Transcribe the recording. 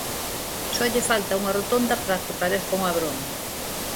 Só lle falta unha rotonda para que pareza unha broma.